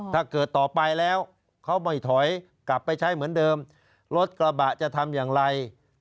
ต่อไปแล้วเขาไม่ถอยกลับไปใช้เหมือนเดิมรถกระบะจะทำอย่างไร